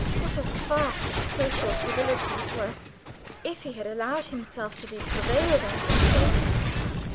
What a farce social civilities were if he had allowed himself to be prevailed on to stay to supper!